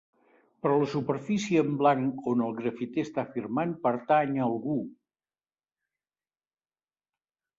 Però la superfície en blanc on el grafiter està firmant pertany a algú.